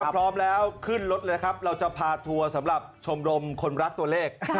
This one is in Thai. พร้อมแล้วขึ้นรถเลยครับเราจะพาทัวร์สำหรับชมรมคนรักตัวเลข